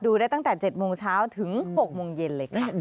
ได้ตั้งแต่๗โมงเช้าถึง๖โมงเย็นเลยค่ะ